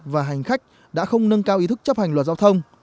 và hành khách đã không nâng cao ý thức chấp hành luật giao thông